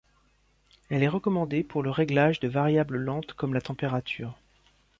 Elle est recommandée pour le réglage de variables lentes comme la température.